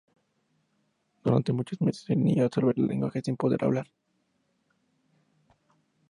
Durante muchos meses, el niño absorbe el lenguaje sin poder hablar.